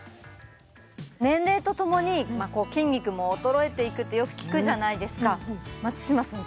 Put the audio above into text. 年齢とともに筋肉も衰えていくってよく聞くじゃないですか松嶋さん